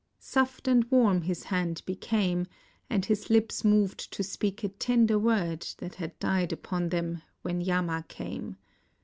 Soft and warm his hand became, and his lips moved to speak a tender word that had died upon them when Yama came.